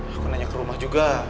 aku nanya ke rumah juga